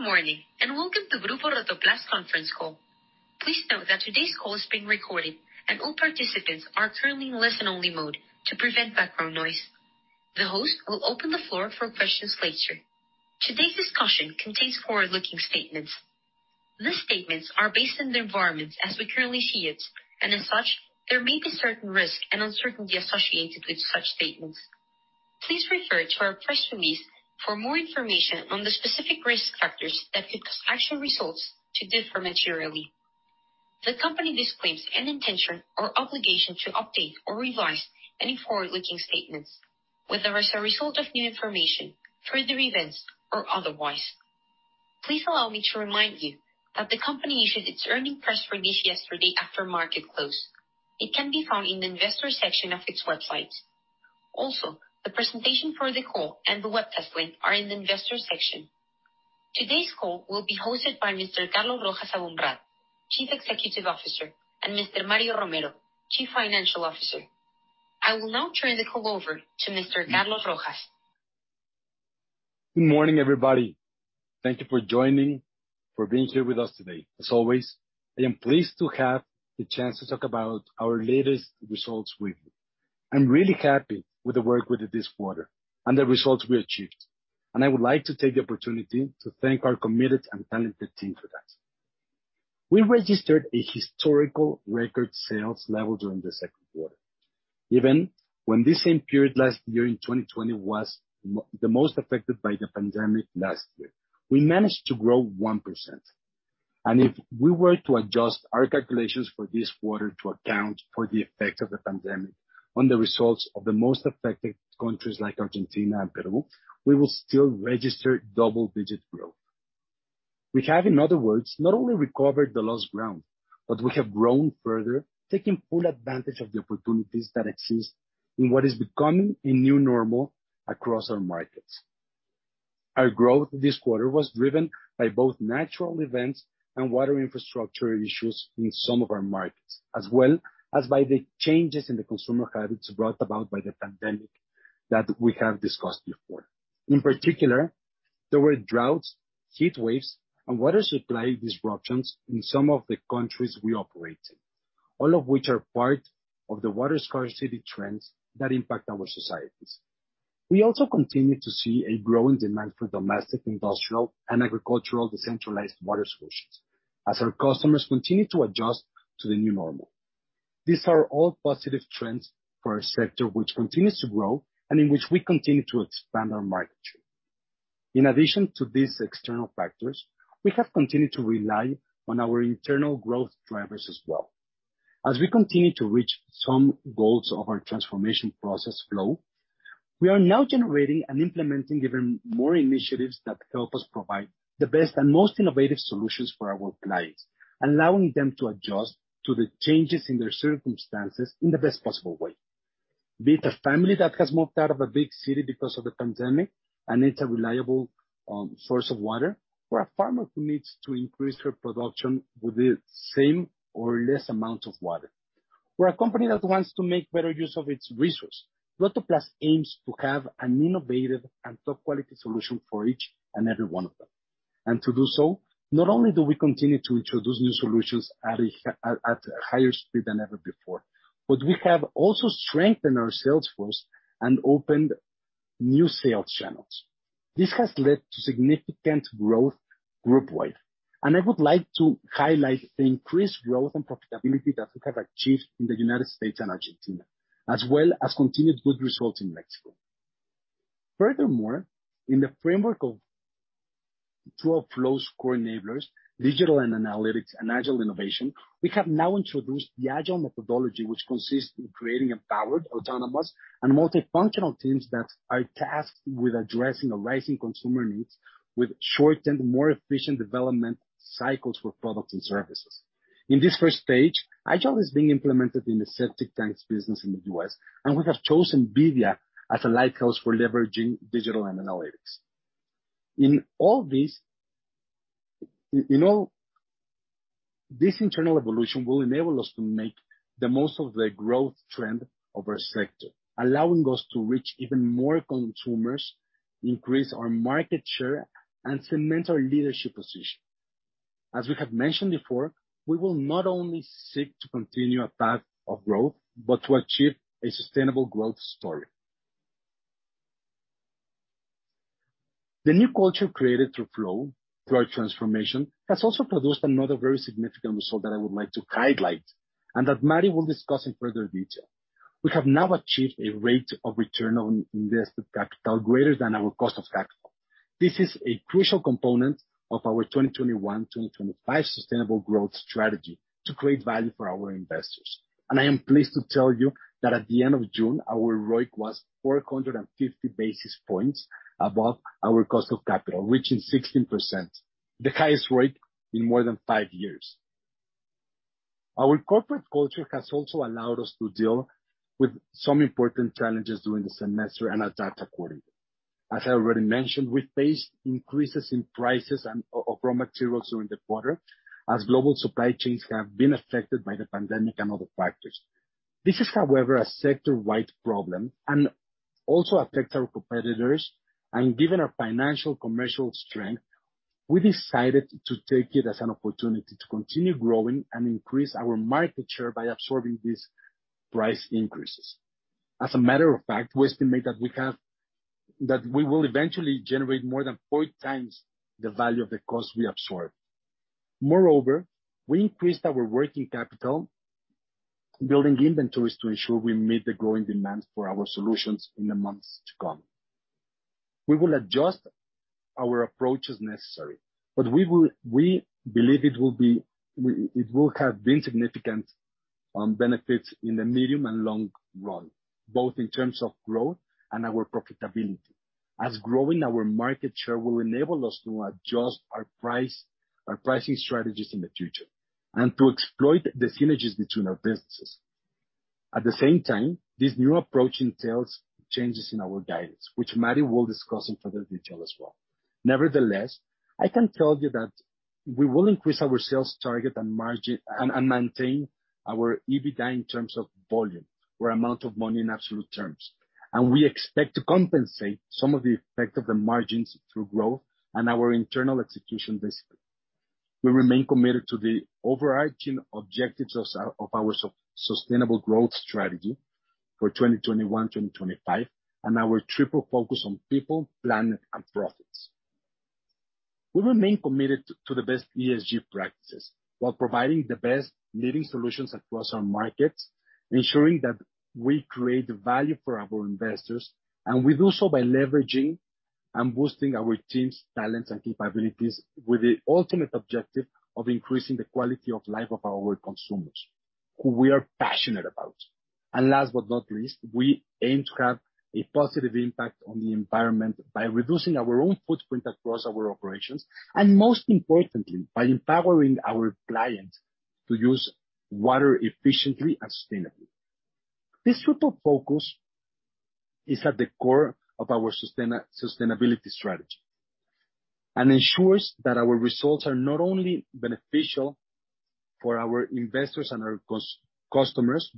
Good morning. Welcome to Grupo Rotoplas conference call. Please note that today's call is being recorded, and all participants are currently in listen-only mode to prevent background noise. The host will open the floor for questions later. Today's discussion contains forward-looking statements. These statements are based on the environment as we currently see it, and as such, there may be certain risks and uncertainty associated with such statements. Please refer to our press release for more information on the specific risk factors that could cause actual results to differ materially. The company disclaims any intention or obligation to update or revise any forward-looking statements, whether as a result of new information, further events, or otherwise. Please allow me to remind you that the company issued its earnings press release yesterday after market close. It can be found in the investor section of its website. Also, the presentation for the call and the web test link are in the investor section. Today's call will be hosted by Mr. Carlos Rojas Aboumrad, Chief Executive Officer, and Mr. Mario Romero, Chief Financial Officer. I will now turn the call over to Mr. Carlos Rojas. Good morning, everybody. Thank you for joining, for being here with us today. As always, I am pleased to have the chance to talk about our latest results with you. I am really happy with the work we did this quarter and the results we achieved, and I would like to take the opportunity to thank our committed and talented team for that. We registered a historical record sales level during the second quarter. Even when this same period last year in 2020 was the most affected by the pandemic last year, we managed to grow 1%. If we were to adjust our calculations for this quarter to account for the effect of the pandemic on the results of the most affected countries like Argentina and Peru, we will still register double-digit growth. We have, in other words, not only recovered the lost ground, but we have grown further, taking full advantage of the opportunities that exist in what is becoming a new normal across our markets. Our growth this quarter was driven by both natural events and water infrastructure issues in some of our markets, as well as by the changes in the consumer habits brought about by the pandemic that we have discussed before. In particular, there were droughts, heat waves, and water supply disruptions in some of the countries we operate in, all of which are part of the water scarcity trends that impact our societies. We also continue to see a growing demand for domestic, industrial, and agricultural decentralized water solutions as our customers continue to adjust to the new normal. These are all positive trends for a sector which continues to grow and in which we continue to expand our market share. In addition to these external factors, we have continued to rely on our internal growth drivers as well. As we continue to reach some goals of our transformation process Flow, we are now generating and implementing even more initiatives that help us provide the best and most innovative solutions for our clients, allowing them to adjust to the changes in their circumstances in the best possible way. Be it a family that has moved out of a big city because of the pandemic and needs a reliable source of water, or a farmer who needs to increase her production with the same or less amount of water, or a company that wants to make better use of its resource, Rotoplas aims to have an innovative and top-quality solution for each and every one of them. To do so, not only do we continue to introduce new solutions at a higher speed than ever before, but we have also strengthened our sales force and opened new sales channels. This has led to significant growth groupwide, and I would like to highlight the increased growth and profitability that we have achieved in the United States and Argentina, as well as continued good results in Mexico. Furthermore, in the framework of two of Flow's core enablers, digital and analytics and Agile innovation, we have now introduced the Agile methodology, which consists in creating empowered, autonomous, and multifunctional teams that are tasked with addressing arising consumer needs with shortened, more efficient development cycles for products and services. In this first stage, Agile is being implemented in the septic tanks business in the U.S. We have chosen bebbia as a lighthouse for leveraging digital and analytics. In all this internal evolution will enable us to make the most of the growth trend of our sector, allowing us to reach even more consumers, increase our market share, and cement our leadership position. As we have mentioned before, we will not only seek to continue a path of growth, but to achieve a sustainable growth story. The new culture created through Flow, through our transformation, has also produced another very significant result that I would like to highlight and that Mario will discuss in further detail. We have now achieved a rate of return on invested capital greater than our cost of capital. This is a crucial component of our 2021-2025 sustainable growth strategy to create value for our investors. I am pleased to tell you that at the end of June, our ROIC was 450 basis points above our cost of capital, reaching 16%, the highest rate in more than five years. Our corporate culture has also allowed us to deal with some important challenges during the semester and adapt accordingly. As I already mentioned, we faced increases in prices of raw materials during the quarter as global supply chains have been affected by the pandemic and other factors. This is, however, a sector-wide problem, and also affect our competitors, and given our financial commercial strength, we decided to take it as an opportunity to continue growing and increase our market share by absorbing these price increases. As a matter of fact, we estimate that we will eventually generate more than 4x the value of the cost we absorb. Moreover, we increased our working capital, building inventories to ensure we meet the growing demand for our solutions in the months to come. We will adjust our approach as necessary, but we believe it will have been significant benefits in the medium and long run, both in terms of growth and our profitability. Growing our market share will enable us to adjust our pricing strategies in the future, and to exploit the synergies between our businesses. At the same time, this new approach entails changes in our guidance, which Mario will discuss in further detail as well. Nevertheless, I can tell you that we will increase our sales target and maintain our EBITDA in terms of volume or amount of money in absolute terms. We expect to compensate some of the effect of the margins through growth and our internal execution discipline. We remain committed to the overarching objectives of our sustainable growth strategy for 2021-2025, and our triple focus on people, planet, and profits. We remain committed to the best ESG practices while providing the best leading solutions across our markets, ensuring that we create value for our investors. We do so by leveraging and boosting our team's talents and capabilities with the ultimate objective of increasing the quality of life of our consumers, who we are passionate about. Last but not least, we aim to have a positive impact on the environment by reducing our own footprint across our operations, and most importantly, by empowering our clients to use water efficiently and sustainably. This triple focus is at the core of our sustainability strategy and ensures that our results are not only beneficial for our investors and our customers,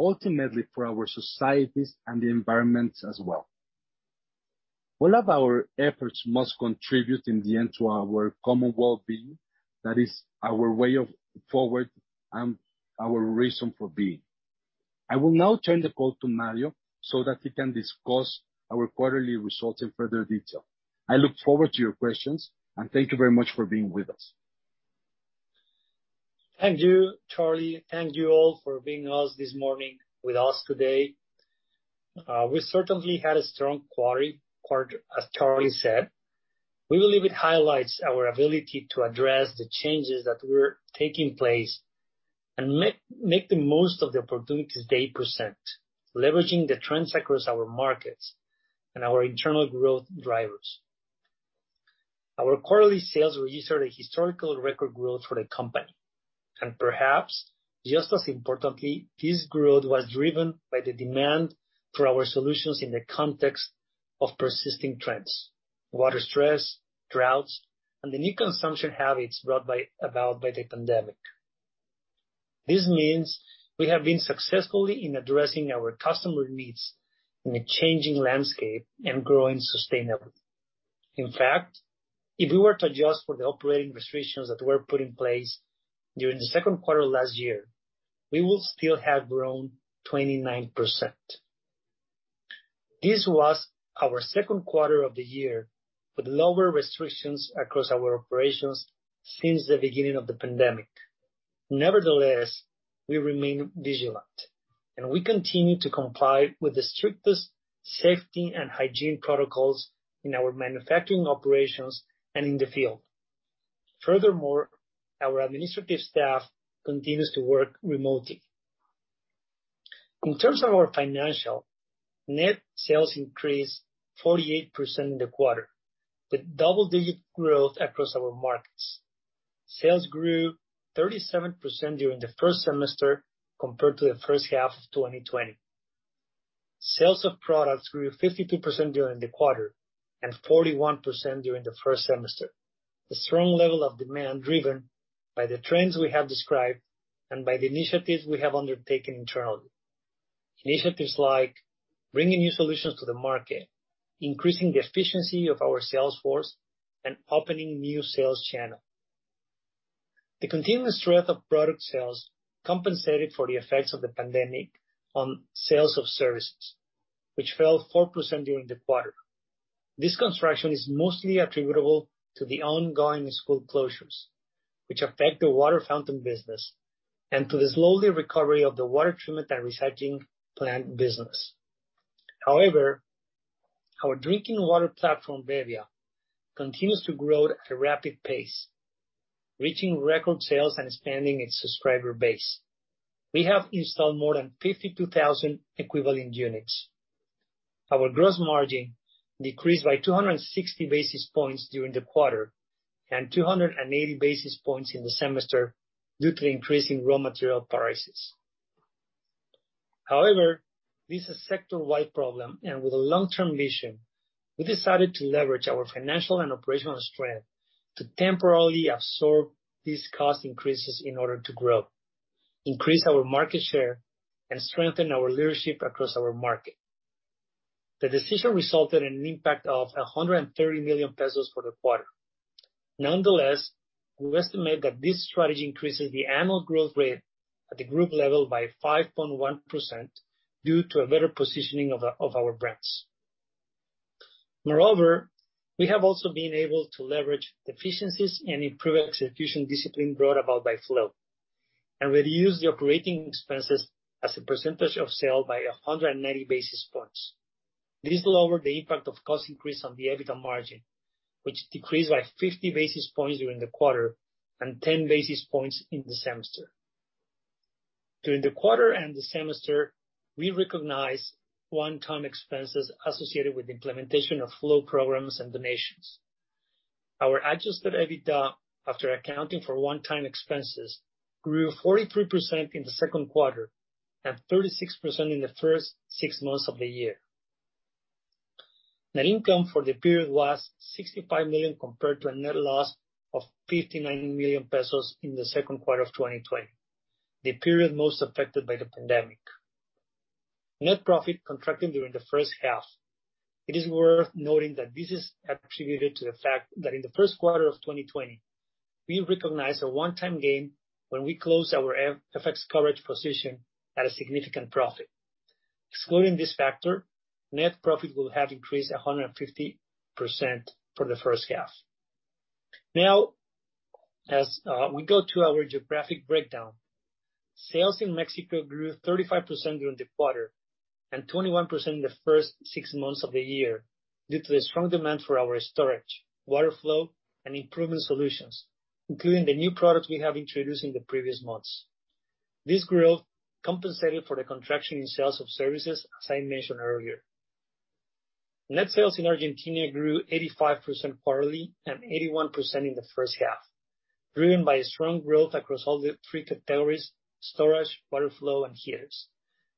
but ultimately for our societies and the environment as well. All of our efforts must contribute in the end to our common well-being. That is our way of forward and our reason for being. I will now turn the call to Mario so that he can discuss our quarterly results in further detail. I look forward to your questions, and thank you very much for being with us. Thank you, Charlie. Thank you all for being this morning with us today. We certainly had a strong quarter, as Charlie said. We believe it highlights our ability to address the changes that were taking place and make the most of the opportunities they present, leveraging the trends across our markets and our internal growth drivers. Our quarterly sales registered a historical record growth for the company, and perhaps just as importantly, this growth was driven by the demand for our solutions in the context of persisting trends, water stress, droughts, and the new consumption habits brought about by the pandemic. This means we have been successfully in addressing our customer needs in a changing landscape and growing sustainably. In fact, if we were to adjust for the operating restrictions that were put in place during the second quarter last year, we would still have grown 29%. This was our second quarter of the year with lower restrictions across our operations since the beginning of the pandemic. Nevertheless, we remain vigilant, and we continue to comply with the strictest safety and hygiene protocols in our manufacturing operations and in the field. Furthermore, our administrative staff continues to work remotely. In terms of our financial, net sales increased 48% in the quarter with double-digit growth across our markets. Sales grew 37% during the first semester compared to the first half of 2020. Sales of products grew 52% during the quarter and 41% during the first semester. The strong level of demand driven by the trends we have described and by the initiatives we have undertaken internally. Initiatives like bringing new solutions to the market, increasing the efficiency of our sales force, and opening new sales channel. The continuous strength of product sales compensated for the effects of the pandemic on sales of services, which fell 4% during the quarter. This construction is mostly attributable to the ongoing school closures, which affect the water fountain business, and to the slowly recovery of the water treatment and recycling plant business. However, our drinking water platform, bebbia, continues to grow at a rapid pace, reaching record sales and expanding its subscriber base. We have installed more than 52,000 equivalent units. Our gross margin decreased by 260 basis points during the quarter, and 280 basis points in the semester due to increasing raw material prices. However, this is a sector-wide problem, and with a long-term vision, we decided to leverage our financial and operational strength to temporarily absorb these cost increases in order to grow increase our market share, and strengthen our leadership across our market. The decision resulted in an impact of 130 million pesos for the quarter. Nonetheless, we estimate that this strategy increases the annual growth rate at the group level by 5.1% due to a better positioning of our brands. Moreover, we have also been able to leverage efficiencies and improve execution discipline brought about by Flow, and reduce the operating expenses as a percentage of sale by 190 basis points. This lowered the impact of cost increase on the EBITDA margin, which decreased by 50 basis points during the quarter, and 10 basis points in the semester. During the quarter and the semester, we recognized one-time expenses associated with the implementation of Flow programs and donations. Our adjusted EBITDA, after accounting for one-time expenses, grew 43% in the second quarter, and 36% in the first six months of the year. Net income for the period was 65 million, compared to a net loss of 59 million pesos in the second quarter of 2020, the period most affected by the pandemic. Net profit contracted during the first half. It is worth noting that this is attributed to the fact that in the first quarter of 2020, we recognized a one-time gain when we closed our FX coverage position at a significant profit. Excluding this factor, net profit will have increased 150% for the first half. Now, as we go to our geographic breakdown. Sales in Mexico grew 35% during the quarter, and 21% in the first six months of the year, due to the strong demand for our storage, water flow, and improvement solutions, including the new products we have introduced in the previous months. This growth compensated for the contraction in sales of services, as I mentioned earlier. Net sales in Argentina grew 85% quarterly and 81% in the first half, driven by strong growth across all the three categories: storage, water flow, and heaters,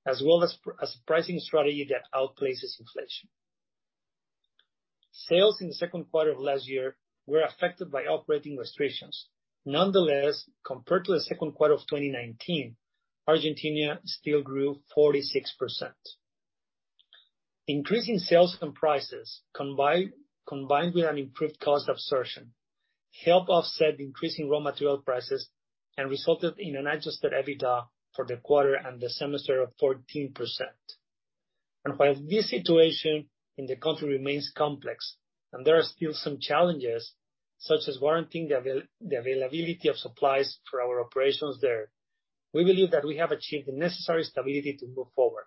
as well as a pricing strategy that outpaces inflation. Sales in the second quarter of last year were affected by operating restrictions. Nonetheless, compared to the second quarter of 2019, Argentina still grew 46%. Increasing sales and prices, combined with an improved cost absorption, helped offset increasing raw material prices and resulted in an adjusted EBITDA for the quarter and the semester of 14%. While this situation in the country remains complex and there are still some challenges, such as guaranteeing the availability of supplies for our operations there, we believe that we have achieved the necessary stability to move forward.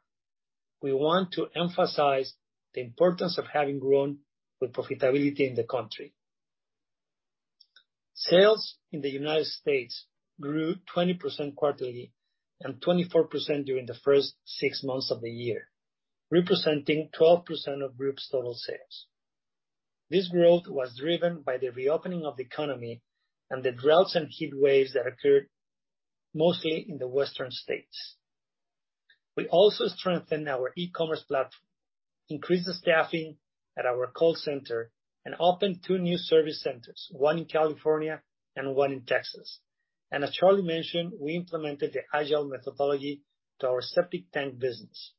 We want to emphasize the importance of having grown with profitability in the country. Sales in the United States grew 20% quarterly and 24% during the first six months of the year, representing 12% of group's total sales. This growth was driven by the reopening of the economy and the droughts and heat waves that occurred mostly in the western states. We also strengthened our e-commerce platform, increased the staffing at our call center, and opened two new service centers, one in California and one in Texas. As Charlie mentioned, we implemented the Agile methodology to our septic tank business.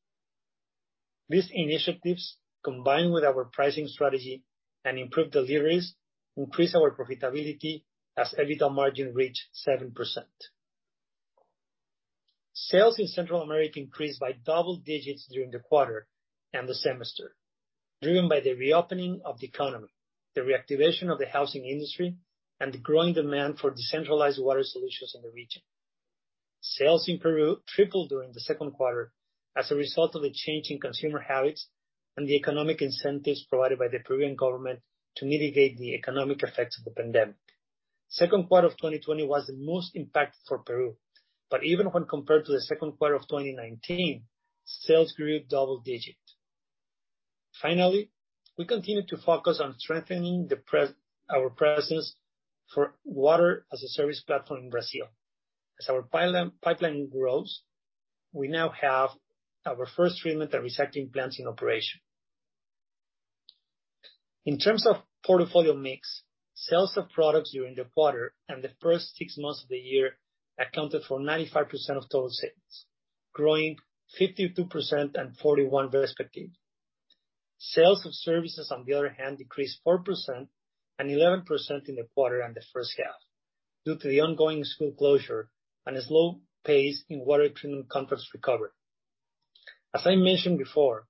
These initiatives, combined with our pricing strategy and improved deliveries, increased our profitability as EBITDA margin reached 7%. Sales in Central America increased by double digits during the quarter and the semester, driven by the reopening of the economy, the reactivation of the housing industry, and the growing demand for decentralized water solutions in the region. Sales in Peru tripled during the second quarter as a result of the change in consumer habits and the economic incentives provided by the Peruvian government to mitigate the economic effects of the pandemic. Second quarter of 2020 was the most impacted for Peru, but even when compared to the second quarter of 2019, sales grew double digits. Finally, we continue to focus on strengthening our presence for water as a service platform in Brazil. As our pipeline grows, we now have our first treatment and recycling plants in operation. In terms of portfolio mix, sales of products during the quarter and the first six months of the year accounted for 95% of total sales, growing 52% and 41% respectively. Sales of services, on the other hand, decreased 4% and 11% in the quarter and the first half due to the ongoing school closure and a slow pace in water treatment contracts recovery. As I mentioned before,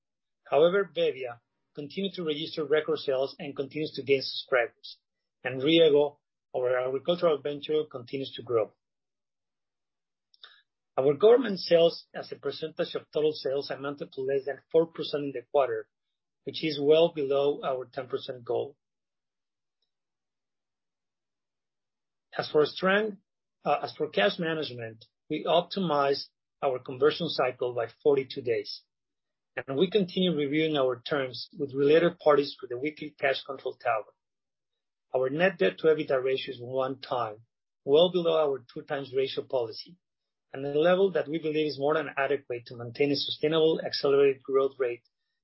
however, bebbia continued to register record sales and continues to gain subscribers. rieggo, our agricultural venture, continues to grow. Our government sales as a percentage of total sales amounted to less than 4% in the quarter, which is well below our 10% goal. As for cash management, we optimized our conversion cycle by 42 days, and we continue reviewing our terms with related parties with the weekly cash control tower. Our net debt to EBITDA ratio is 1x, well below our 2x ratio policy, and the level that we believe is more than adequate to maintain a sustainable, accelerated growth rate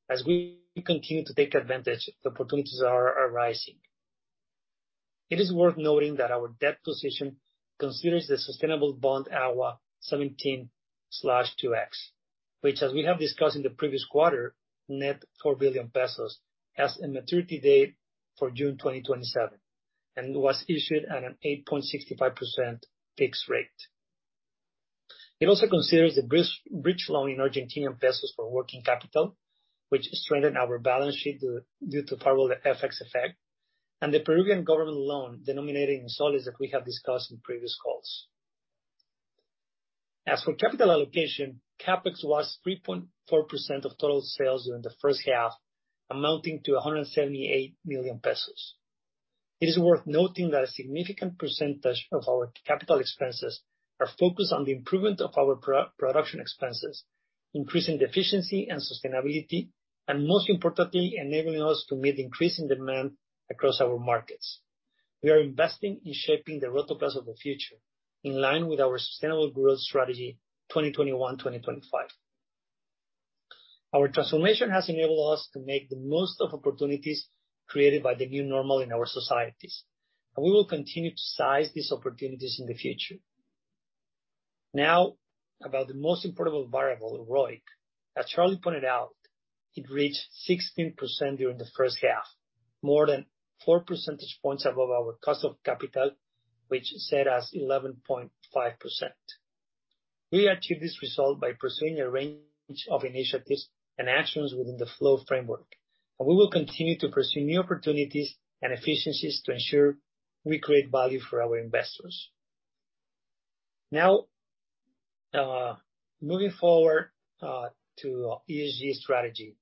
as we continue to take advantage of the opportunities that are arising. It is worth noting that our debt position considers the sustainable bond AGUA 17/2X, which, as we have discussed in the previous quarter, net 4 billion pesos, has a maturity date for June 2027, and was issued at an 8.65% fixed rate. It also considers the bridge loan in Argentine pesos for working capital, which strengthened our balance sheet due to part of the FX effect, and the Peruvian government loan denominated in soles, as we have discussed in previous calls. As for capital allocation, CapEx was 3.4% of total sales during the first half, amounting to 178 million pesos. It is worth noting that a significant percentage of our CapEx are focused on the improvement of our production expenses, increasing the efficiency and sustainability, and most importantly, enabling us to meet increasing demand across our markets. We are investing in shaping the Rotoplas of the future, in line with our sustainable growth strategy 2021-2025. Our transformation has enabled us to make the most of opportunities created by the new normal in our societies, and we will continue to seize these opportunities in the future. About the most important variable, ROIC. As Charlie pointed out, it reached 16% during the first half, more than 4 percentage points above our cost of capital, which sat as 11.5%. We achieved this result by pursuing a range of initiatives and actions within the Flow framework. We will continue to pursue new opportunities and efficiencies to ensure we create value for our investors. Now, moving forward to ESG strategy.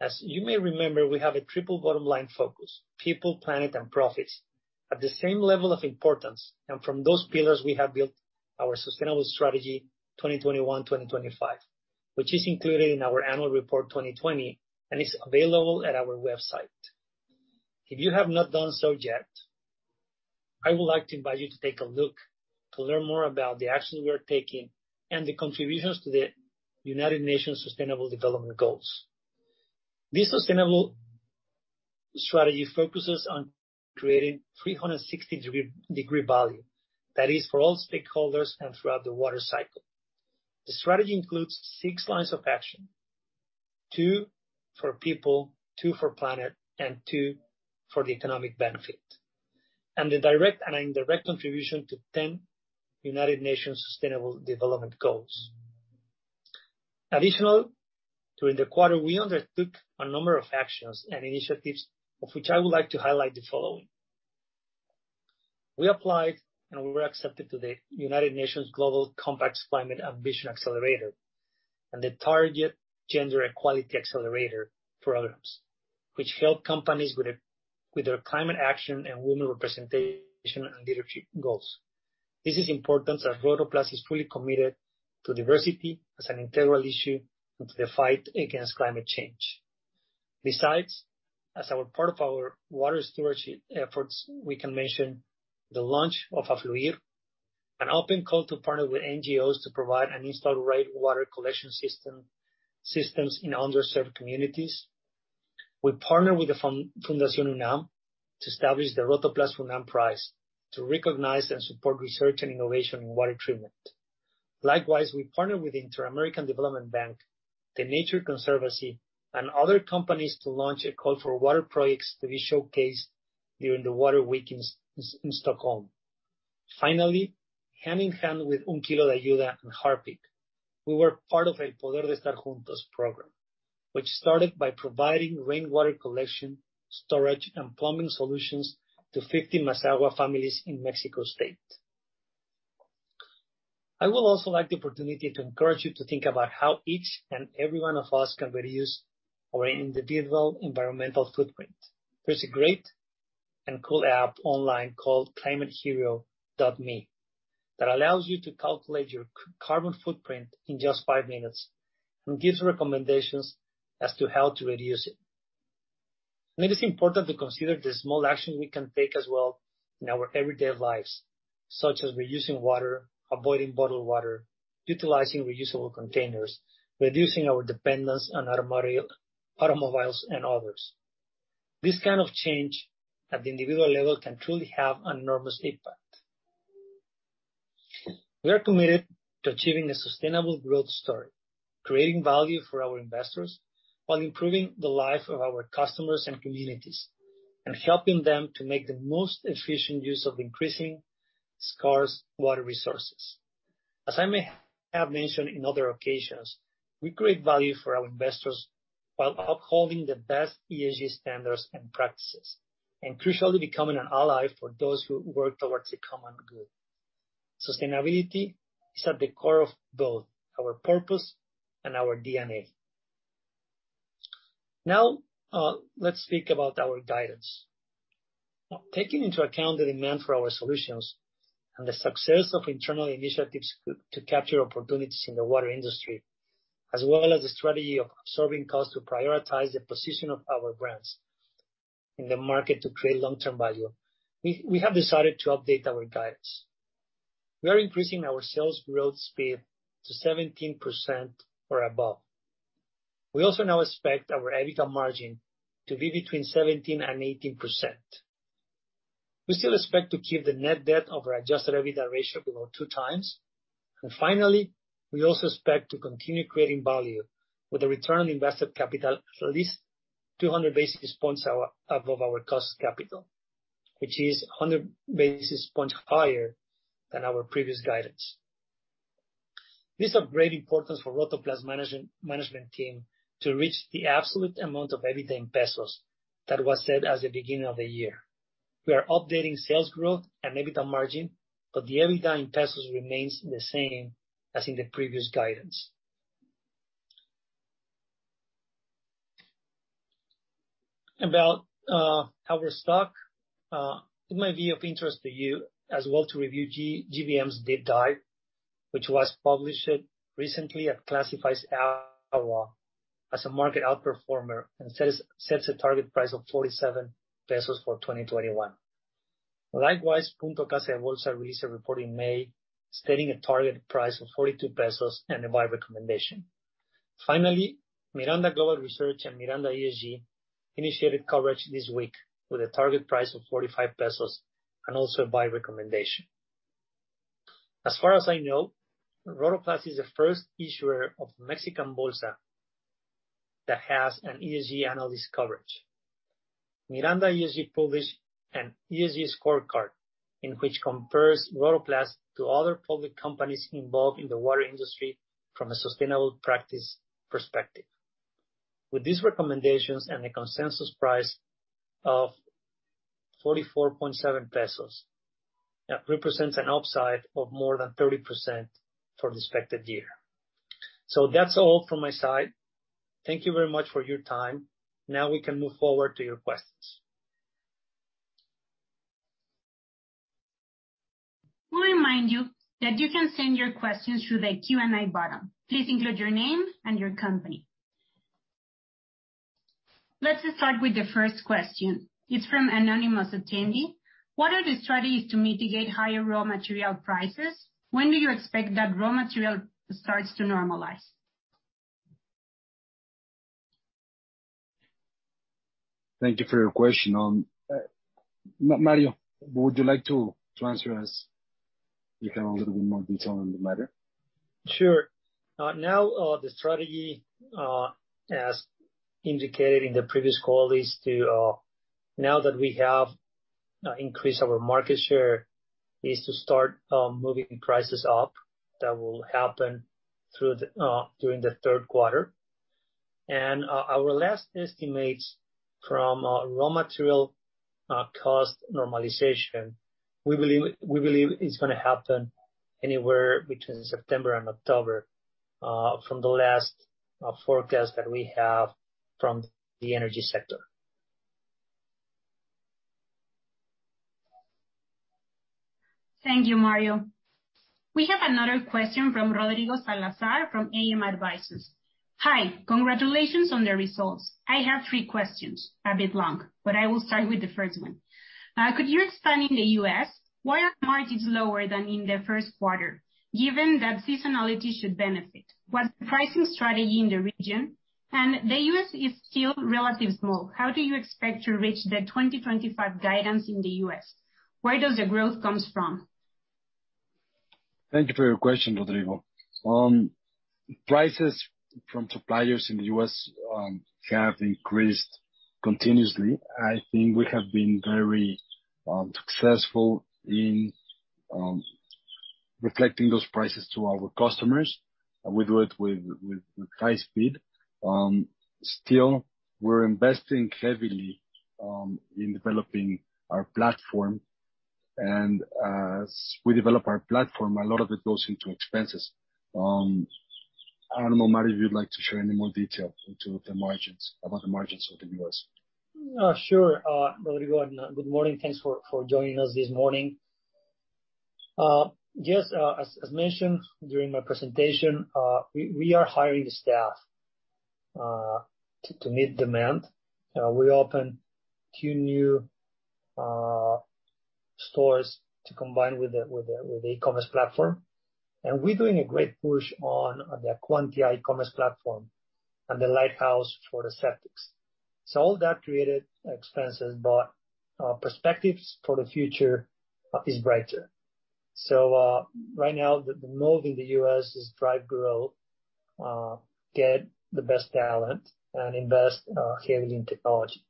As you may remember, we have a triple bottom line focus: people, planet, and profits at the same level of importance. From those pillars, we have built our sustainable strategy 2021-2025, which is included in our annual report 2020 and is available at our website. If you have not done so yet, I would like to invite you to take a look to learn more about the actions we are taking and the contributions to the United Nations Sustainable Development Goals. This sustainable strategy focuses on creating 360-degree value. That is, for all stakeholders and throughout the water cycle. The strategy includes six lines of action, two for people, two for planet, and two for the economic benefit, and the direct and indirect contribution to 10 United Nations Sustainable Development Goals. Additionally, during the quarter, we undertook a number of actions and initiatives, of which I would like to highlight the following. We applied and we were accepted to the United Nations Global Compact's Climate Ambition Accelerator and the Target Gender Equality Accelerator programs, which help companies with their climate action and women representation and leadership goals. This is important, as Rotoplas is fully committed to diversity as an integral issue to the fight against climate change. Besides, as our part of our water stewardship efforts, we can mention the launch of A Fluir, an open call to partner with NGOs to provide and install the right water collection systems in underserved communities. We partner with the Fundación UNAM to establish the Rotoplas-FUNAM Prize to recognize and support research and innovation in water treatment. Likewise, we partner with Inter-American Development Bank, The Nature Conservancy, and other companies to launch a call for water projects to be showcased during the World Water Week in Stockholm. Finally, hand in hand with Un Kilo de Ayuda and Harpic, we were part of El Poder de Estar Juntos program, which started by providing rainwater collection, storage, and plumbing solutions to 50 Mazahua families in Mexico State. I would also like the opportunity to encourage you to think about how each and every one of us can reduce our individual environmental footprint. There's a great and cool app online called climatehero.me that allows you to calculate your carbon footprint in just five minutes and gives recommendations as to how to reduce it. It is important to consider the small action we can take as well in our everyday lives, such as reusing water, avoiding bottled water, utilizing reusable containers, reducing our dependence on automobiles, and others. This kind of change at the individual level can truly have an enormous impact. We are committed to achieving a sustainable growth story, creating value for our investors while improving the life of our customers and communities, and helping them to make the most efficient use of increasing scarce water resources. As I may have mentioned in other occasions, we create value for our investors while upholding the best ESG standards and practices, and crucially, becoming an ally for those who work towards the common good. Sustainability is at the core of both our purpose and our DNA. Now, let's speak about our guidance. Taking into account the demand for our solutions and the success of internal initiatives to capture opportunities in the water industry, as well as the strategy of absorbing cost to prioritize the position of our brands in the market to create long-term value, we have decided to update our guidance. We are increasing our sales growth speed to 17% or above. We also now expect our EBITDA margin to be between 17% and 18%. We still expect to keep the net debt of our adjusted EBITDA ratio below 2x. Finally, we also expect to continue creating value with a return on invested capital at least 200 basis points above our cost capital, which is 100 basis points higher than our previous guidance. These are of great importance for Rotoplas' management team to reach the absolute amount of EBITDA in pesos that was set as the beginning of the year. We are updating sales growth and EBITDA margin. The EBITDA in MXN remains the same as in the previous guidance. About our stock, it might be of interest to you as well to review GBM's deep dive, which was published recently. It classifies our -as a market outperformer and sets a target price of 47 pesos for 2021. Likewise, Punto Casa de Bolsa released a report in May, setting a target price of 42 pesos and a buy recommendation. Finally, Miranda Global Research and Miranda ESG initiated coverage this week with a target price of 45 pesos. Also a buy recommendation. As far as I know, Rotoplas is the first issuer of Bolsa Mexicana that has an ESG analyst coverage. Miranda ESG published an ESG scorecard in which compares Rotoplas to other public companies involved in the water industry from a sustainable practice perspective. With these recommendations and the consensus price of 44.7 pesos, that represents an upside of more than 30% for the expected year. That's all from my side. Thank you very much for your time. Now we can move forward to your questions. We remind you that you can send your questions through the Q&A button. Please include your name and your company. Let's start with the first question. It's from anonymous attendee. What are the strategies to mitigate higher raw material prices? When do you expect that raw material starts to normalize? Thank you for your question. Mario, would you like to answer as you can, a little bit more detail on the matter? Sure. Now, the strategy, as indicated in the previous call, is to, now that we have increased our market share, is to start moving prices up. That will happen during the third quarter. Our last estimates from raw material cost normalization, we believe is going to happen anywhere between September and October, from the last forecast that we have from the energy sector. Thank you, Mario. We have another question from Rodrigo Salazar, from AM Advisors. Hi, congratulations on the results. I have three questions, a bit long, but I will start with the first one. Could you expand in the U.S., why are margins lower than in the first quarter, given that seasonality should benefit? What's the pricing strategy in the region? The U.S. is still relatively small. How do you expect to reach the 2025 guidance in the U.S.? Where does the growth comes from? Thank you for your question, Rodrigo. Prices from suppliers in the U.S. have increased continuously. I think we have been very successful in reflecting those prices to our customers. We do it with high speed. Still, we're investing heavily in developing our platform. As we develop our platform, a lot of it goes into expenses. I don't know, Mario, if you'd like to share any more detail into the margins, about the margins for the U.S. Sure. Rodrigo, good morning. Thanks for joining us this morning. Just as mentioned during my presentation, we are hiring staff to meet demand. We opened 2 new stores to combine with the e-commerce platform. We're doing a great push on the Acuantia e-commerce platform and the Lighthouse for the septics. All that created expenses, but perspectives for the future is brighter. Right now, the move in the U.S. is drive growth, get the best talent, and invest heavily in technology.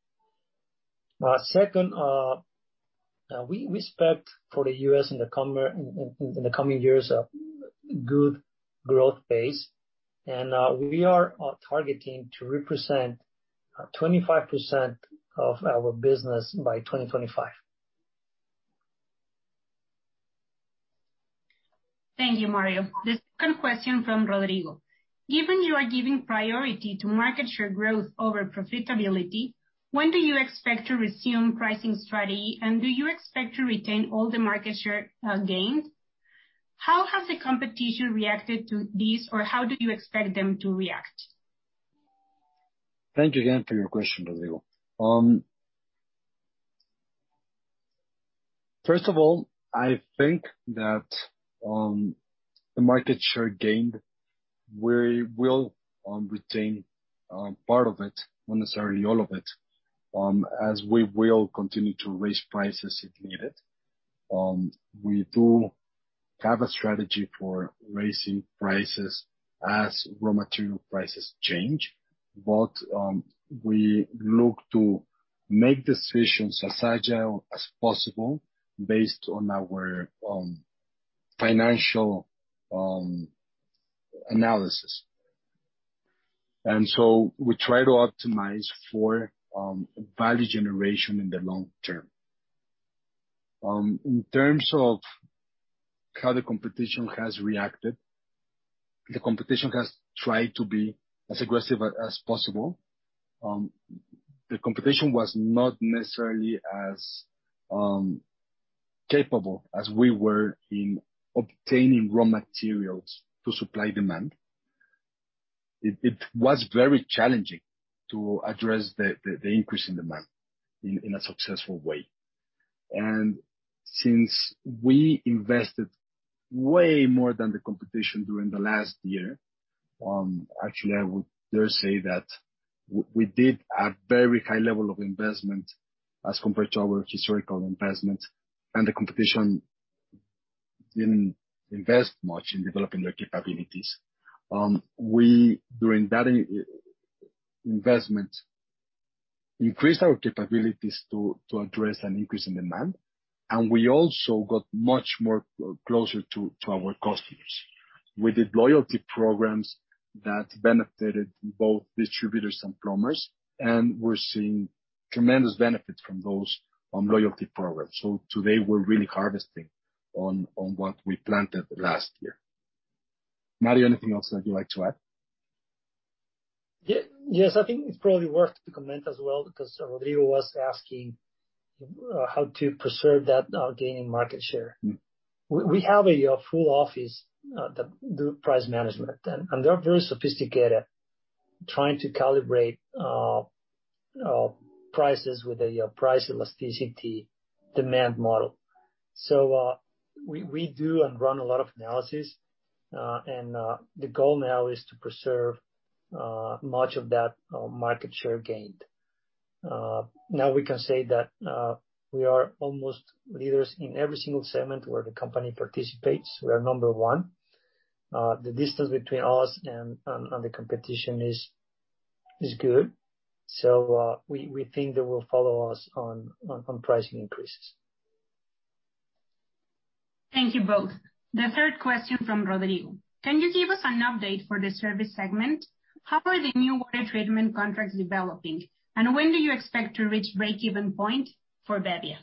Second, we expect for the U.S., in the coming years, a good growth phase. We are targeting to represent 25% of our business by 2025. Thank you, Mario. The second question from Rodrigo. Given you are giving priority to market share growth over profitability, when do you expect to resume pricing strategy, and do you expect to retain all the market share gains? How has the competition reacted to this, or how do you expect them to react? Thank you again for your question, Rodrigo. First of all, I think that the market share gained, we will retain part of it, not necessarily all of it, as we will continue to raise prices if needed. We do have a strategy for raising prices as raw material prices change. We look to make decisions as agile as possible based on our financial analysis. We try to optimize for value generation in the long term. In terms of how the competition has reacted, the competition has tried to be as aggressive as possible. The competition was not necessarily as capable as we were in obtaining raw materials to supply demand. It was very challenging to address the increase in demand in a successful way. Since we invested way more than the competition during the last year, actually, I would dare say that we did a very high level of investment as compared to our historical investment, and the competition didn't invest much in developing their capabilities. We, during that investment, increased our capabilities to address an increase in demand, and we also got much more closer to our customers. We did loyalty programs that benefited both distributors and plumbers, and we're seeing tremendous benefits from those loyalty programs. Today, we're really harvesting on what we planted last year. Mario, anything else that you'd like to add? Yes. I think it's probably worth to comment as well, because Rodrigo was asking how to preserve that gain in market share. We have a full office that do price management, and they're very sophisticated, trying to calibrate prices with a price elasticity demand model. We do and run a lot of analysis, and the goal now is to preserve much of that market share gained. Now we can say that we are almost leaders in every single segment where the company participates. We are number 1. The distance between us and the competition is good. We think they will follow us on price increases. Thank you both. The third question from Rodrigo: Can you give us an update for the service segment? How are the new water treatment contracts developing, when do you expect to reach breakeven point for bebbia?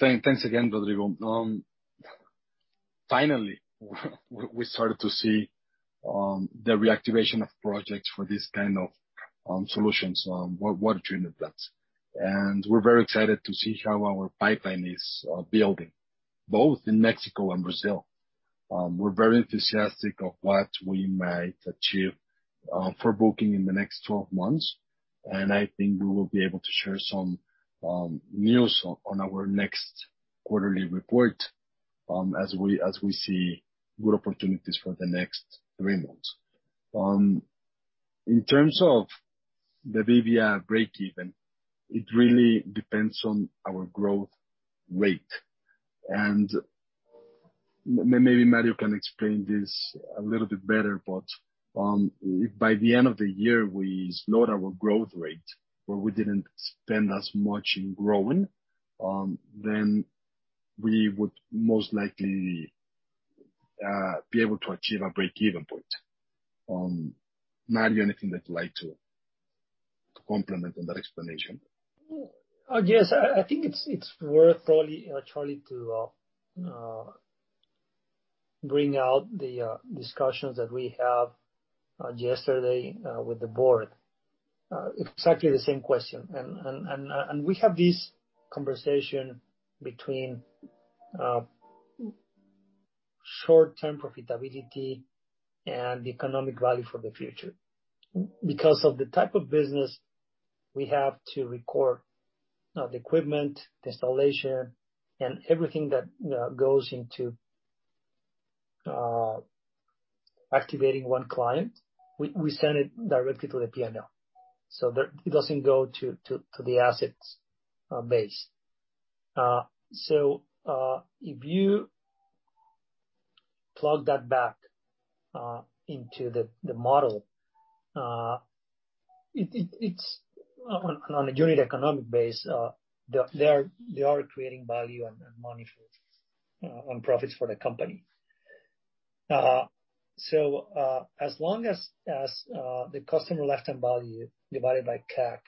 Thanks again, Rodrigo. Finally, we started to see the reactivation of projects for these kind of solutions, water treatment plants. We're very excited to see how our pipeline is building, both in Mexico and Brazil. We're very enthusiastic of what we might achieve for booking in the next 12 months, and I think we will be able to share some news on our next quarterly report, as we see good opportunities for the next three months. In terms of the bebbia breakeven, it really depends on our growth rate, and maybe Mario can explain this a little bit better. If by the end of the year we slowed our growth rate where we didn't spend as much in growing, then we would most likely be able to achieve a breakeven point. Mario, anything that you'd like to complement on that explanation? Yes. I think it's worth, probably, Charlie, to bring out the discussions that we had yesterday with the board. Exactly the same question. We have this conversation between short-term profitability and the economic value for the future. Because of the type of business, we have to record the equipment, installation, and everything that goes into activating one client. We send it directly to the P&L, that it doesn't go to the assets base. If you plug that back into the model, on a unit economic base, they are creating value and money on profits for the company. As long as the customer lifetime value divided by CAC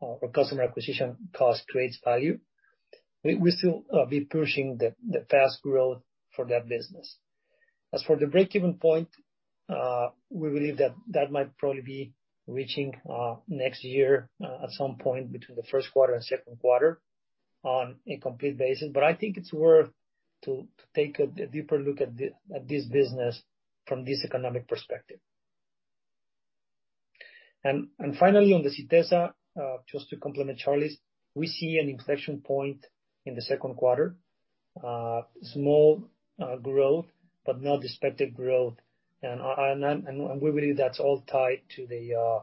or customer acquisition cost creates value, we'll still be pushing the fast growth for that business. As for the breakeven point, we believe that that might probably be reaching next year, at some point between the first quarter and second quarter on a complete basis. I think it's worth to take a deeper look at this business from this economic perspective. Finally, on the Sytesa, just to complement Charlie's, we see an inflection point in the second quarter. Small growth, but not expected growth. We believe that's all tied to the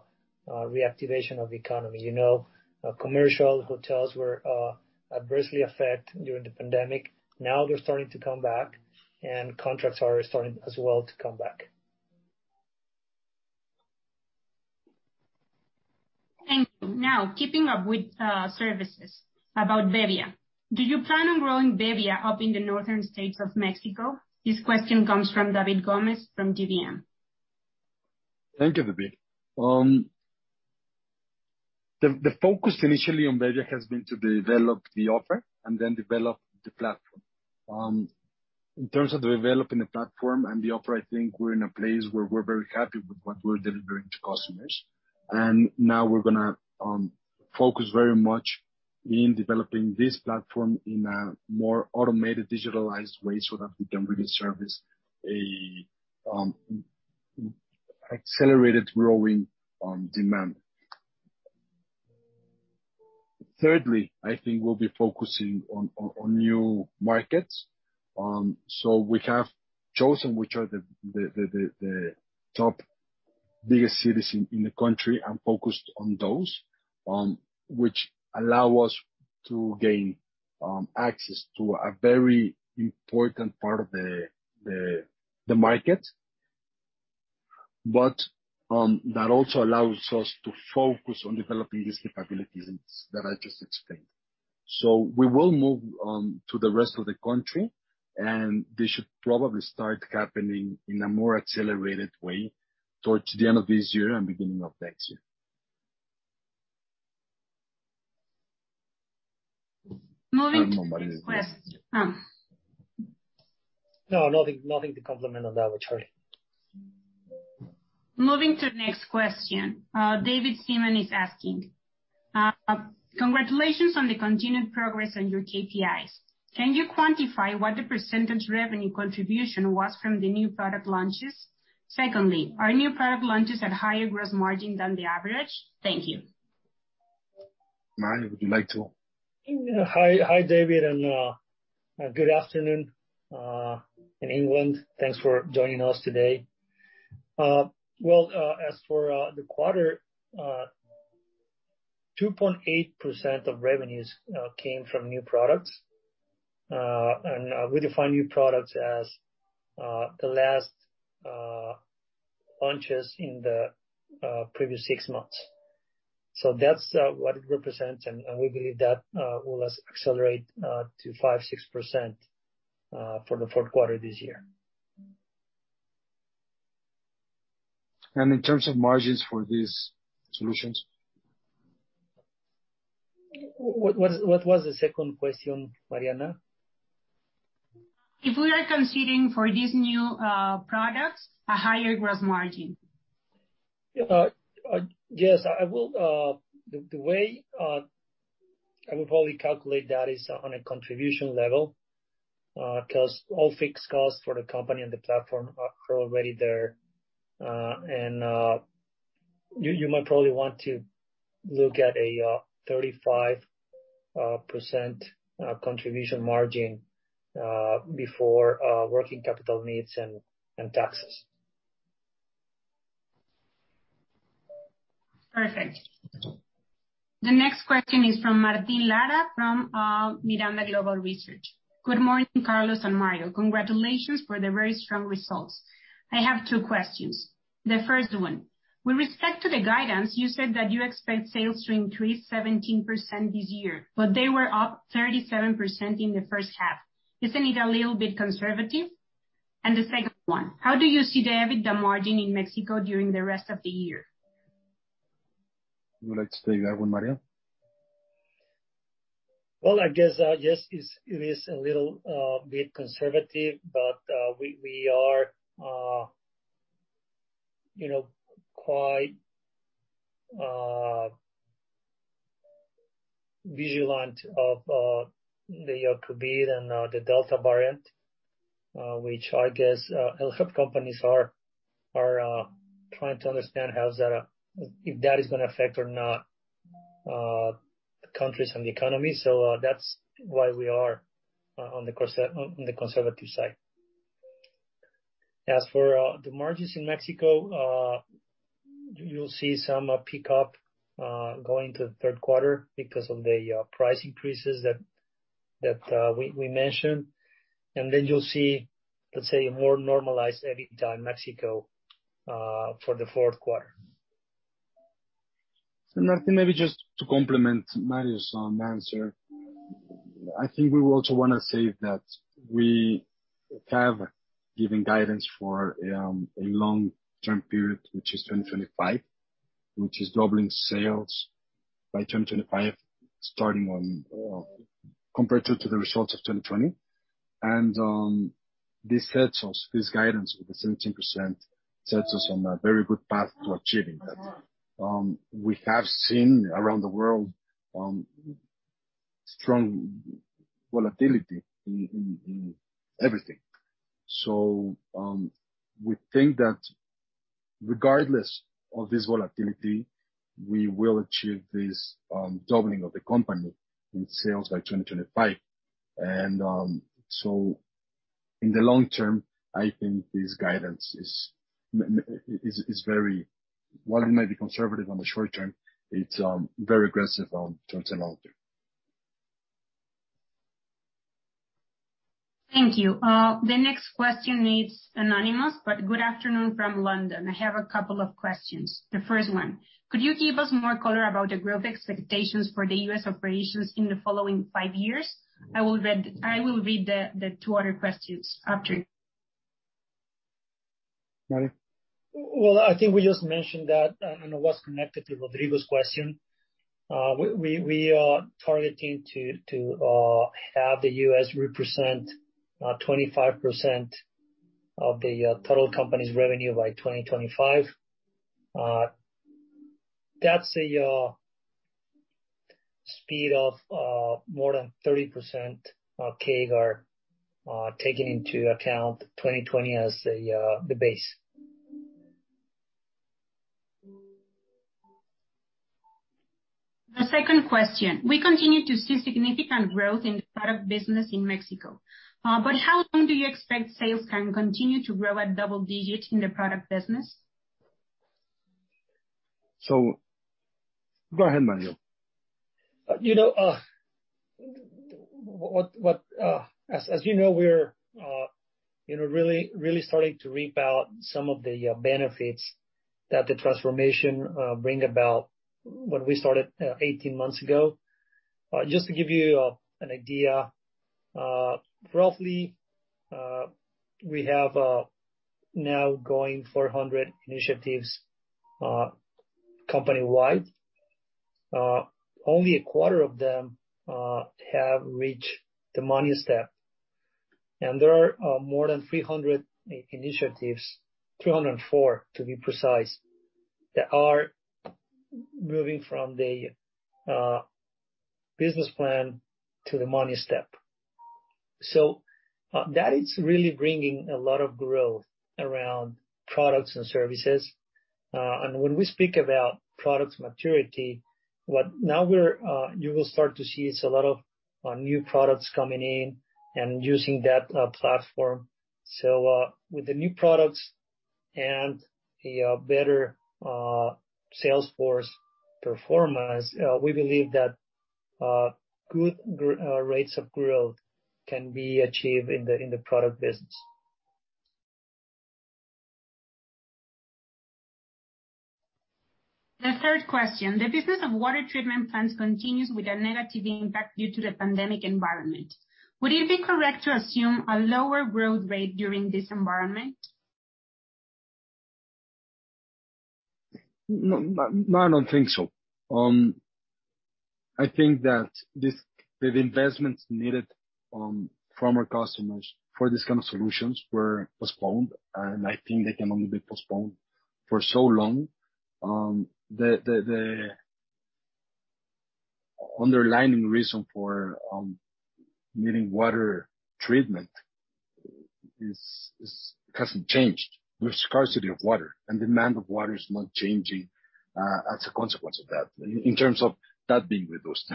reactivation of the economy. Commercial hotels were adversely affected during the pandemic. Now they're starting to come back, and contracts are starting, as well, to come back. Thank you. Now, keeping up with services, about bebbia, do you plan on growing bebbia up in the northern states of Mexico? This question comes from David Gomez from GBM. Thank you, David. The focus initially on bebbia has been to develop the offer and then develop the platform. In terms of developing the platform and the offer, I think we're in a place where we're very happy with what we're delivering to customers. Now we're going to focus very much in developing this platform in a more automated, digitalized way so that we can really service accelerated growing demand. Thirdly, I think we'll be focusing on new markets. We have chosen which are the top biggest cities in the country and focused on those, which allow us to gain access to a very important part of the market. That also allows us to focus on developing these capabilities that I just explained. We will move on to the rest of the country, and this should probably start happening in a more accelerated way towards the end of this year and beginning of next year. Moving to next question. No, nothing to complement on that with Charlie. Moving to next question. David Seaman is asking, congratulations on the continued progress on your KPIs. Can you quantify what the % revenue contribution was from the new product launches? Are new product launches at higher gross margin than the average? Thank you. Mario, would you like to? Hi, David, and good afternoon in England. Thanks for joining us today. Well, as for the quarter, 2.8% of revenues came from new products. We define new products as the last launches in the previous six months. That's what it represents, and we believe that will accelerate to 5%, 6% for the fourth quarter this year. In terms of margins for these solutions? What was the second question, Mariana? If we are considering for these new products a higher gross margin. Yes. The way I would probably calculate that is on a contribution level, because all fixed costs for the company and the platform are already there. You might probably want to look at a 35% contribution margin before working capital needs and taxes. Perfect. The next question is from Martin Lara from Miranda Global Research. Good morning, Carlos and Mario. Congratulations for the very strong results. I have two questions. The first one, with respect to the guidance, you said that you expect sales to increase 17% this year, but they were up 37% in the first half. Isn't it a little bit conservative? The second one, how do you see the EBITDA margin in Mexico during the rest of the year? Would you like to take that one, Mario? I guess, yes, it is a little bit conservative, but we are quite vigilant of the COVID and the Delta variant, which I guess health companies are trying to understand if that is going to affect or not countries and the economy. That's why we are on the conservative side. As for the margins in Mexico, you'll see some pickup going into the third quarter because of the price increases that we mentioned. You'll see, let's say, a more normalized EBITDA in Mexico, for the fourth quarter. Martin, maybe just to complement Mario's answer. I think we would also want to say that we have given guidance for a long-term period, which is 2025, which is doubling sales by 2025 compared to the results of 2020. This sets us, this guidance with the 17%, sets us on a very good path to achieving that. We have seen around the world. Strong volatility in everything. We think that regardless of this volatility, we will achieve this doubling of the company in sales by 2025. In the long term, I think this guidance, while it may be conservative on the short term, it's very aggressive on long term. Thank you. The next question is anonymous, but good afternoon from London. I have a couple of questions. The first one, could you give us more color about the growth expectations for the U.S. operations in the following five years? I will read the two other questions after. Mario? Well, I think we just mentioned that, and it was connected to Rodrigo's question. We are targeting to have the U.S. represent 25% of the total company's revenue by 2025. That's a speed of more than 30% CAGR, taking into account 2020 as the base. The second question. We continue to see significant growth in the product business in Mexico. How long do you expect sales can continue to grow at double digits in the product business? Go ahead, Mario. As you know, we're really starting to reap out some of the benefits that the transformation bring about when we started 18 months ago. Just to give you an idea, roughly, we have now going 400 initiatives company-wide. Only a quarter of them have reached the money step. There are more than 300 initiatives, 304 to be precise, that are moving from the business plan to the money step. That is really bringing a lot of growth around products and services. When we speak about product maturity, what now you will start to see is a lot of new products coming in and using that platform. With the new products and a better sales force performance, we believe that good rates of growth can be achieved in the product business. The third question, the business of water treatment plants continues with a negative impact due to the pandemic environment. Would it be correct to assume a lower growth rate during this environment? No, I don't think so. I think that the investments needed from our customers for this kind of solutions were postponed. I think they can only be postponed for so long. The underlying reason for needing water treatment hasn't changed with scarcity of water. Demand of water is not changing as a consequence of that, in terms of that being reduced.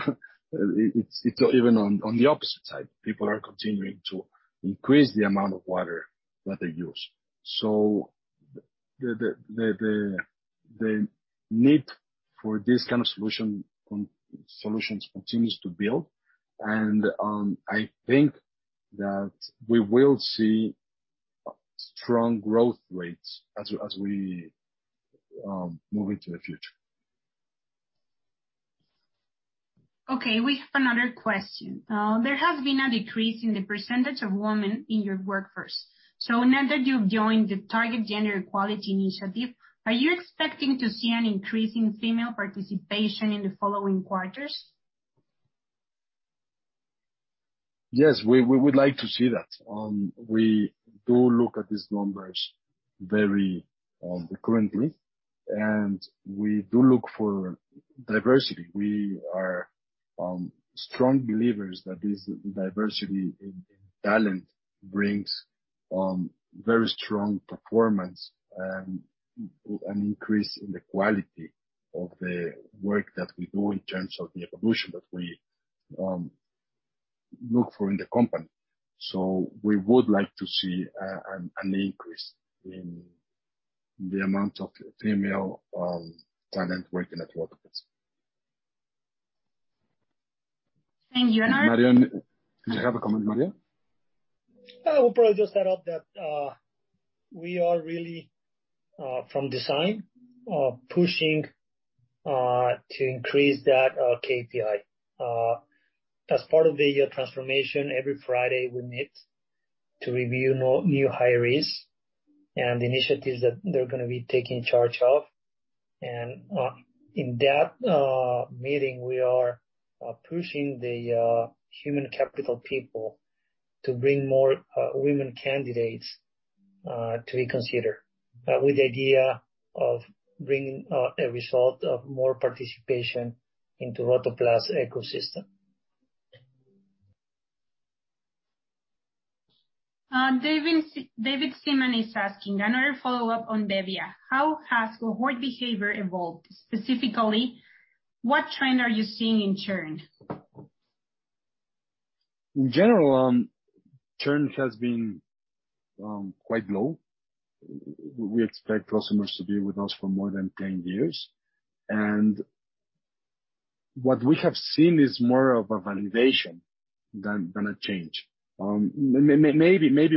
Even on the opposite side, people are continuing to increase the amount of water that they use. The need for this kind of solutions continues to build. I think that we will see strong growth rates as we move into the future. Okay, we have another question. There has been a decrease in the % of women in your workforce. Now that you've joined the Target Gender Equality Accelerator, are you expecting to see an increase in female participation in the following quarters? Yes, we would like to see that. We do look at these numbers very currently. We do look for diversity. We are strong believers that this diversity in talent brings very strong performance and an increase in the quality of the work that we do in terms of the evolution that we look for in the company. We would like to see an increase in the amount of female talent working at Grupo Rotoplas. Thank you. Mario, do you have a comment, Mario? I will probably just add up that we are really, from design, pushing to increase that KPI. As part of the transformation, every Friday we meet to review new hires and initiatives that they're going to be taking charge of. In that meeting, we are pushing the human capital people to bring more women candidates to reconsider, with the idea of bringing a result of more participation into Rotoplas ecosystem. David Simon is asking another follow-up on bebbia. How has cohort behavior evolved? Specifically, what trend are you seeing in churn? In general, churn has been quite low. We expect customers to be with us for more than 10 years. What we have seen is more of a validation than a change. Maybe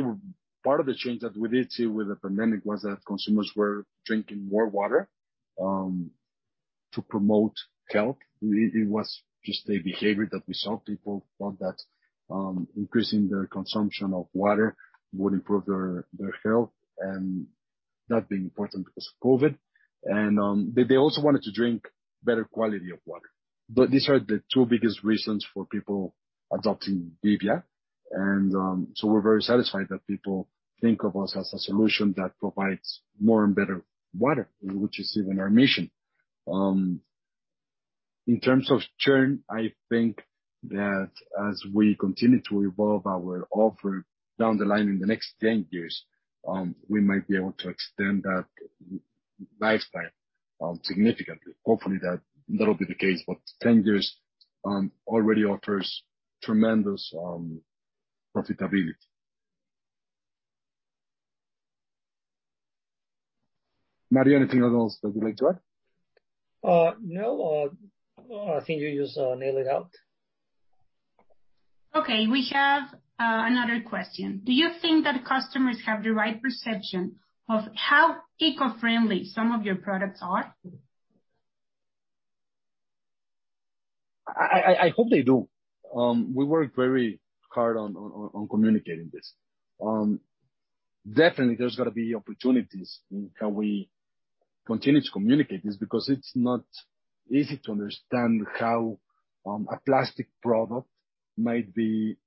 part of the change that we did see with the pandemic was that consumers were drinking more water to promote health. It was just a behavior that we saw. People thought that increasing their consumption of water would improve their health, and that being important because of COVID. They also wanted to drink better quality of water. These are the two biggest reasons for people adopting bebbia, and so we're very satisfied that people think of us as a solution that provides more and better water, which is even our mission. In terms of churn, I think that as we continue to evolve our offer down the line in the next 10 years, we might be able to extend that lifespan significantly. Hopefully that'll be the case, but 10 years already offers tremendous profitability. Mario, anything else that you'd like to add? No. I think you just nailed it out. Okay. We have another question. Do you think that customers have the right perception of how eco-friendly some of your products are? I hope they do. We work very hard on communicating this. Definitely, there's got to be opportunities in can we continue to communicate this, because it's not easy to understand how a plastic product might be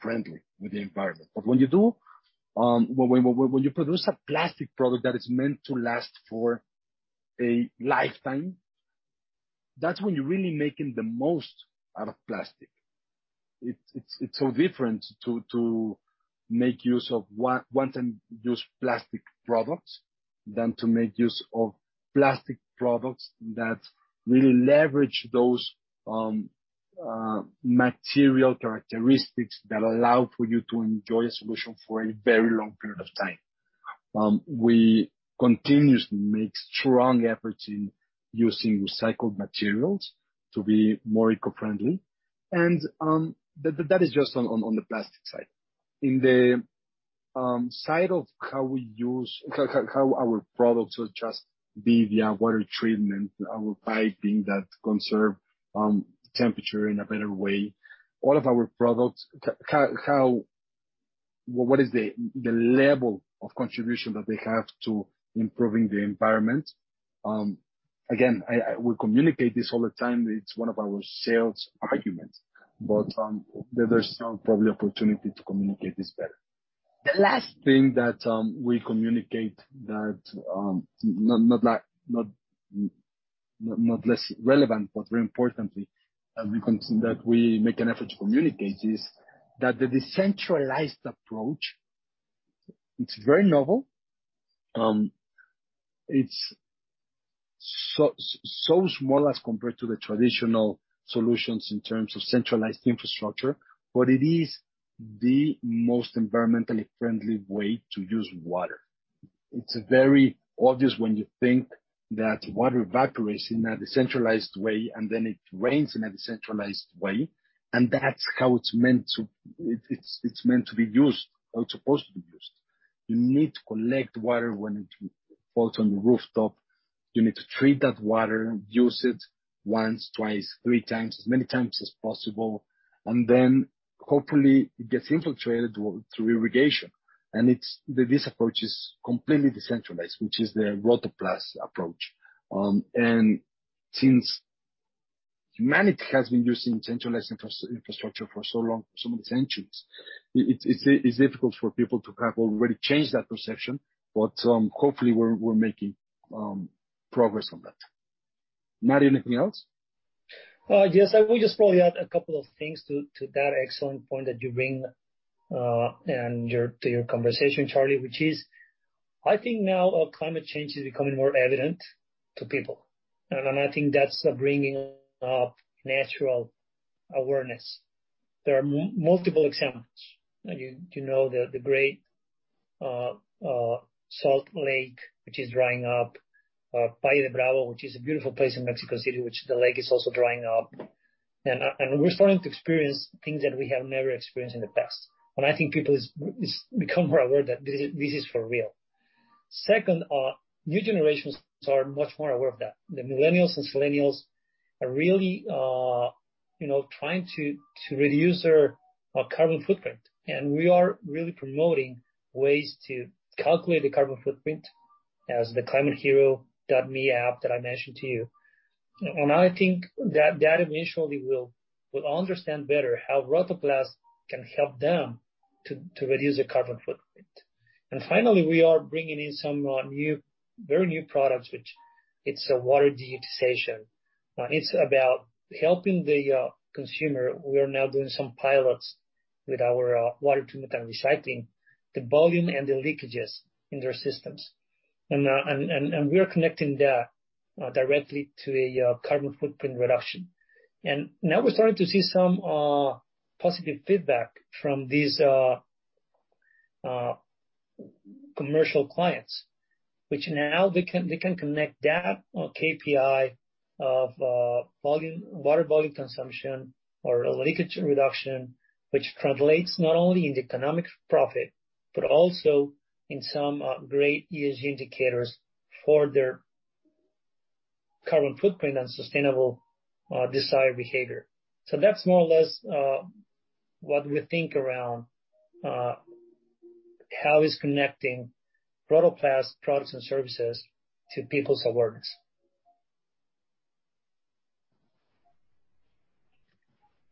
friendly with the environment. When you produce a plastic product that is meant to last for a lifetime, that's when you're really making the most out of plastic. It's so different to make use of one-time use plastic products than to make use of plastic products that really leverage those material characteristics that allow for you to enjoy a solution for a very long period of time. We continuously make strong efforts in using recycled materials to be more eco-friendly, That is just on the plastic side. In the side of how our products will just bebbia water treatment, our piping that conserve temperature in a better way. All of our products, what is the level of contribution that they have to improving the environment? Again, we communicate this all the time. It's one of our sales arguments, but there's some probably opportunity to communicate this better. The last thing that we communicate that, not less relevant, but very importantly, that we make an effort to communicate is that the decentralized approach, it's very novel. It's so small as compared to the traditional solutions in terms of centralized infrastructure, but it is the most environmentally friendly way to use water. It's very obvious when you think that water evaporates in a decentralized way, and then it rains in a decentralized way, and that's how it's meant to be used, how it's supposed to be used. You need to collect water when it falls on the rooftop. You need to treat that water, use it 1x, 2x, 3x, as many times as possible, and then hopefully it gets infiltrated through irrigation. This approach is completely decentralized, which is the Rotoplas approach. Since humanity has been using centralized infrastructure for so long, for so many centuries, it's difficult for people to have already changed that perception. Hopefully we're making progress on that. Mario, anything else? Yes. I will just probably add a couple of things to that excellent point that you bring, and to your conversation, Charlie, which is, I think now climate change is becoming more evident to people, and I think that's bringing up natural awareness. There are multiple examples. You know the Great Salt Lake, which is drying up. Valle de Bravo, which is a beautiful place in Mexico City, which the lake is also drying up. We're starting to experience things that we have never experienced in the past. I think people become more aware that this is for real. Second, new generations are much more aware of that. The millennials and xennials are really trying to reduce their carbon footprint. We are really promoting ways to calculate the carbon footprint as the climatehero.me app that I mentioned to you. I think that eventually we'll understand better how Rotoplas can help them to reduce their carbon footprint. Finally, we are bringing in some very new products, which it's a water reutilization. It's about helping the consumer. We are now doing some pilots with our water treatment and recycling, the volume and the leakages in their systems. We are connecting that directly to a carbon footprint reduction. Now we're starting to see some positive feedback from these commercial clients. Which now they can connect that KPI of water volume consumption or leakage reduction, which translates not only in economic profit, but also in some great ESG indicators for their carbon footprint and sustainable desired behavior. That's more or less what we think around how is connecting Rotoplas products and services to people's awareness.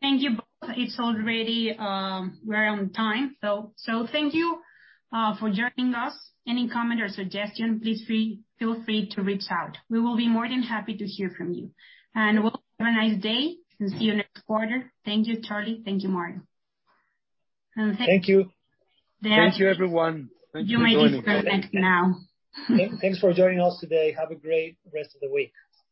Thank you both. We're on time. Thank you for joining us. Any comment or suggestion, please feel free to reach out. We will be more than happy to hear from you. Have a nice day. See you next quarter. Thank you, Charlie. Thank you, Mario. Thank you. Thank you, everyone. Thank you for joining. You may disconnect now. Thanks for joining us today. Have a great rest of the week.